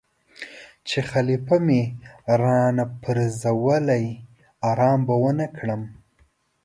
چې خلیفه مې را نه پرزولی آرام به ونه کړم.